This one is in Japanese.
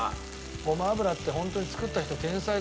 ごま油ってホントに作った人天才だよね。